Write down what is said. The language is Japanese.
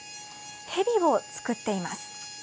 ヘビを作っています。